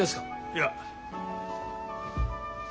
いや。